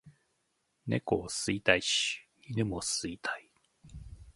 猫を吸いたいし犬も吸いたい